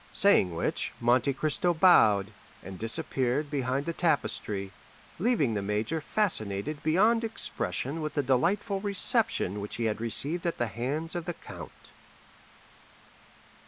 Saying which Monte Cristo bowed, and disappeared behind the tapestry, leaving the major fascinated beyond expression with the delightful reception which he had received at the hands of the count.